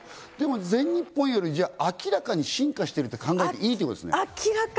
でも、全日本より明らかに進化していると考えていいですか？